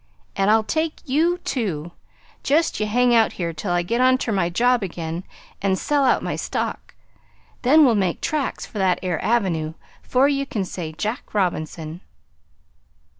An' I'll take YOU, too. Jest ye hang out here till I get on ter my job again, an' sell out my stock. Then we'll make tracks for that 'ere Avenue 'fore ye can say Jack Robinson."